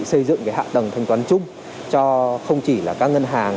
xây dựng hạ tầng thanh toán chung cho không chỉ là các ngân hàng